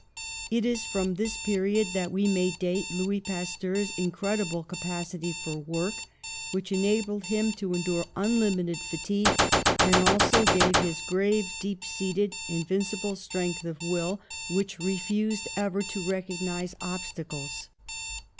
It is from this period that we may date Louis Pasteur's incredible capacity for work, which enabled him to endure unlimited fatigue, and also his grave, deep seated, invincible strength A STUDIOUS BOYHOOD 11 of will which refused ever to recognise obsta cles.